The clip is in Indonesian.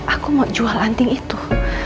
aku mau jual anting itu